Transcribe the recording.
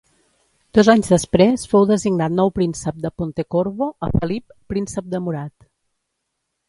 Dos anys després fou designat nou príncep de Pontecorvo a Felip, príncep de Murat.